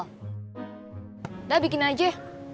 udah bikin aja